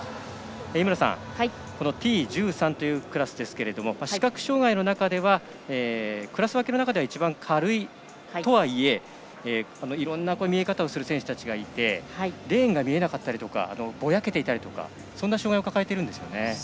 井村さん、Ｔ１３というクラスは視覚障がいのクラス分けの中では一番軽いとはいえいろいろな見え方をする選手たちがいてレーンが見えなかったりぼやけていたりそんな障がいを抱えているんですね。